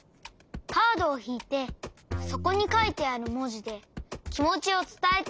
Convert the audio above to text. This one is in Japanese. カードをひいてそこにかいてあるもじできもちをつたえて！